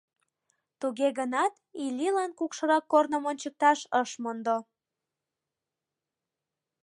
Туге гынат, Иллилан кукшырак корным ончыкташ ыш мондо.